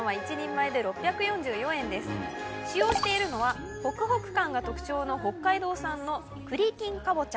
使用しているのはホクホク感が特徴の北海道産のくりきんかぼちゃ。